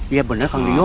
iya bener kang rino